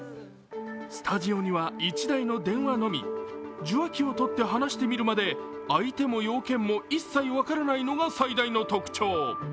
スタジオには１台の電話のみ、受話器をとって話してみるまで相手も用件も一切、分からないのが最大の特徴。